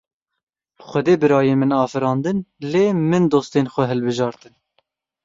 Xwedê birayên min afirandin, lê min dostên xwe hilbijartin.